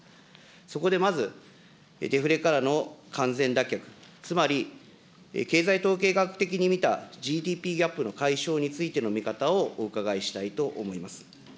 そこでまず、デフレからの完全脱却、つまり、経済統計学的に見たＧＤＰギャップの解消についての見方をお伺いしたいと思います。